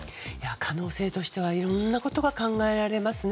可能性としてはいろいろなことが考えられますね。